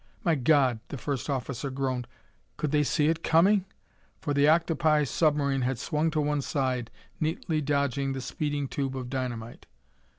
"My God!" the first officer groaned. "Could they see it coming?" For the octopi submarine had swung to one side, neatly dodging the speeding tube of dynamite.